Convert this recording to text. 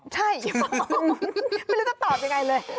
ใช่ไม่รู้จะตอบยังไงเลย